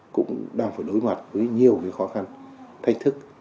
cũng đang phải đối mặt với nhiều khó khăn thách thức